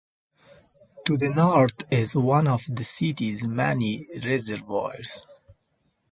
To the north is one of the city's many reservoirs.